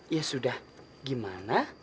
ya sudah gimana